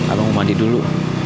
abang mau mandi dulu